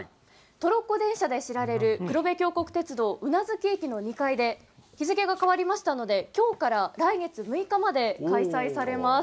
トロッコ電車で知られる黒部峡谷鉄道宇奈月駅の２階で日付が変わりましたので今日から来月６日まで開催されます。